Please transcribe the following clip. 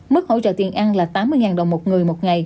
mức hỗ trợ tiền ăn là tám mươi đồng một người một ngày